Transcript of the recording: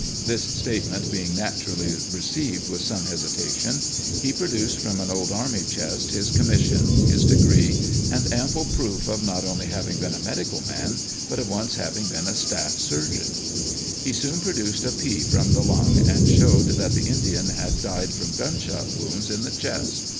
This statement being naturally received with some hesitation, he produced from an old army chest, his com mission, his degree, and ample proof of not only having been a medical man, but of once having been a staff sui'geon. He soon pro duced a pea from the lung, and showed that the Indian had died from gunshot wounds in the chest.